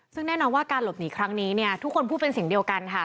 ซึ่งแน่นอนว่าการหลบหนีครั้งนี้เนี่ยทุกคนพูดเป็นเสียงเดียวกันค่ะ